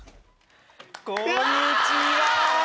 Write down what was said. こんにちは。